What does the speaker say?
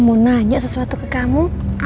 apa yang ada iphon pressure sekarang saja